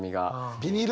ビニール